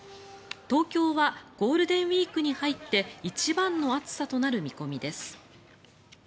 東京はゴールデンウィークに入って一番の暑さとなる見込みです。